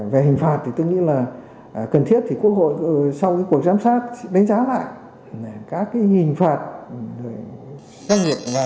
về hình phạt thì tôi nghĩ là cần thiết thì quốc hội sau cuộc giám sát đánh giá lại các hình phạt do nghiệp và việc áp dụng hình phạt trong do nghiệp xử lý